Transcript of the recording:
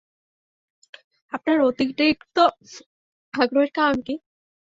আপনার অতিরিক্ত আগ্রহের কারণ কী?